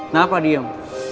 nah pak diem